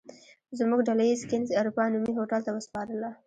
زموږ ډله یې کېنز اروپا نومي هوټل ته وسپارله.